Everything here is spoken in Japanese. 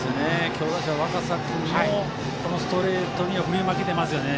強打者、若狭君もストレートに振り負けていますよね。